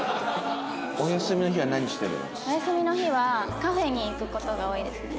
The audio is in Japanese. お休みの日はカフェに行く事が多いですね。